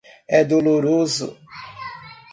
É doloroso.